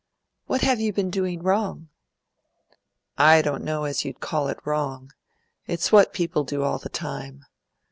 "What have you been doing wrong?" "I don't know as you'd call it wrong. It's what people do all the time.